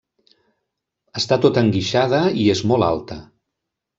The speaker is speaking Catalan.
Està tota enguixada i és molt alta.